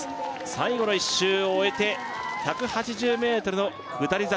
最後の１周を終えて１８０ｍの下り坂